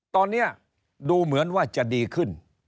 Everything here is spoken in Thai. ตอนนี้ดูเหมือนว่าจะดีขึ้น